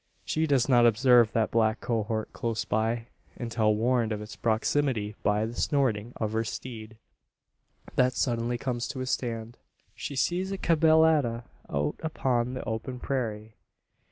She does not observe that black cohort close by; until warned of its proximity by the snorting of her steed, that suddenly comes to a stand. She sees a caballada out upon the open prairie!